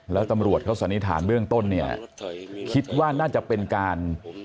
แล้วตำรวจเขาสันนิษฐานเบื้องต้นเนี่ยคิดว่าน่าจะเป็นการ